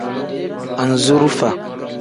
Anzurufa.